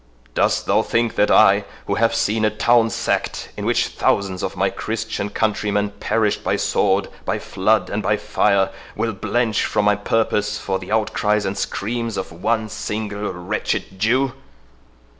Dost thou think that I, who have seen a town sacked, in which thousands of my Christian countrymen perished by sword, by flood, and by fire, will blench from my purpose for the outcries or screams of one single wretched Jew?